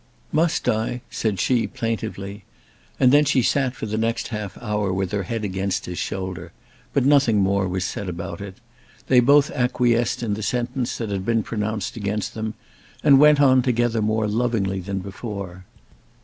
"Must I?" said she, plaintively. And then she sat for the next half hour with her head against his shoulder; but nothing more was said about it. They both acquiesced in the sentence that had been pronounced against them, and went on together more lovingly than before.